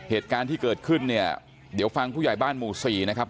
เหตุการณ์ที่เกิดขึ้นเนี่ยเดี๋ยวฟังผู้ใหญ่บ้านหมู่สี่นะครับ